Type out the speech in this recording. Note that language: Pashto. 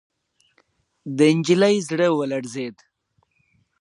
د نجلۍ زړه ولړزېد.